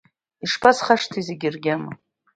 Ишԥасхашҭи зегь ргьама…